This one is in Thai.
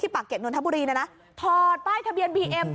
ปากเก็ตนนทบุรีเนี่ยนะถอดป้ายทะเบียนบีเอ็ม